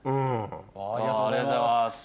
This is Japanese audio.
ありがとうございます。